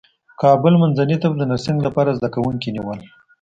کابل منځني طب د نرسنګ لپاره زدکوونکي نیول